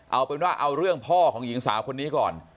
เอาเป็นว่าเอาเรื่องพ่อของหญิงสาวคนนี้ก่อน